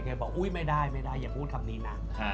ไปบอกุ้ยไม่ได้ไม่ให้พูดคำนี้น่อน